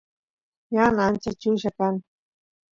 ñan ancha chulla kan